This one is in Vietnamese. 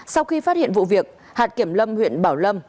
sau khi phát hiện vụ việc hạt kiểm lâm huyện bảo lâm